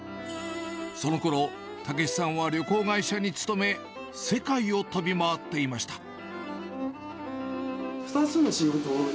そのころ、武さんは旅行会社に勤め、世界を飛び回っていました。